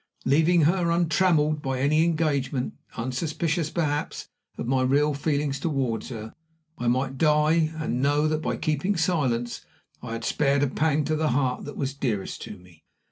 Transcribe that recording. Leaving her untrammeled by any engagement, unsuspicious perhaps of my real feelings toward her, I might die, and know that, by keeping silence, I had spared a pang to the heart that was dearest to me.